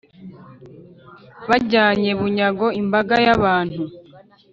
bajyanye bunyago imbaga y’abantu